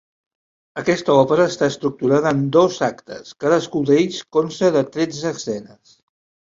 Aquesta òpera està estructurada en dos actes, cadascun d'ells consta de tretze escenes.